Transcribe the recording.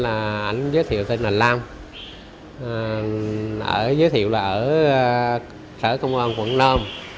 anh giới thiệu tên là lam giới thiệu là ở sở công an quảng nam